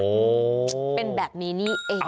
โอ้โหเป็นแบบนี้นี่เอง